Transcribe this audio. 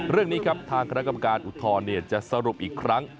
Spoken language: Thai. เรื่องนี้ครับทางคณะกรรมการอุทธรณ์จะสรุปอีกครั้ง